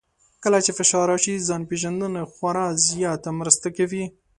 کله چې فشار راشي، ځان پېژندنه خورا زیاته مرسته کوي.